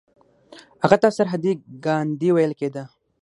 هغه ته سرحدي ګاندي ویل کیده.